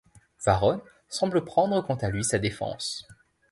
Varron semble prendre quant à lui sa défense.